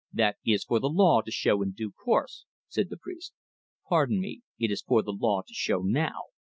"That is for the law to show in due course," said the priest. "Pardon me; it is for the law to show now.